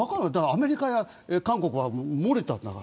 アメリカや韓国は漏れたんだから。